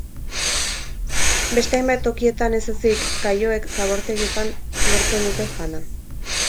Beste hainbat tokietan ez ezik, kaioek zabortegietan lortzen dute jana.